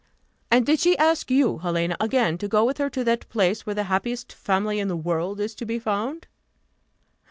"And did she ask you, Helena, again to go with her to that place where the happiest family in the world is to be found?"